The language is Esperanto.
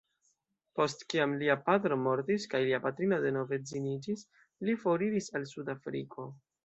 Post kiam lia patro mortis kaj lia patrino denove edziniĝis, li foriris al Sud-Afriko.